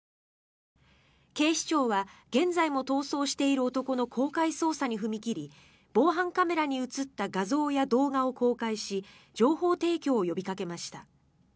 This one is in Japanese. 警視庁は現在も逃走している男の公開捜査に踏み切り防犯カメラに映った画像や動画を公開し情報提供を呼びかけました。